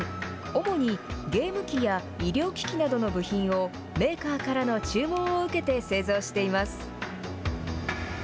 主にゲーム機や医療機器などの部品をメーカーからの注文を受けて製造しています。